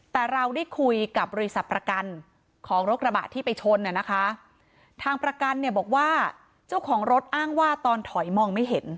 แต่เราได้คุยกับบริษัทประกันของรถกระบะที่ไปชนอ่ะนะคะทางประกันเนี่ยบอกว่าเจ้าของรถอ้างว่าตอนถอยมองไม่เห็น